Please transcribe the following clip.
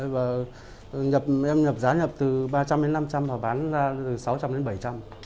và em nhập giá nhập từ ba trăm linh đến năm trăm linh và bán ra từ sáu trăm linh đến bảy trăm linh